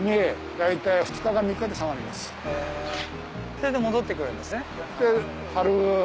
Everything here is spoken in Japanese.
それで戻って来るんですね？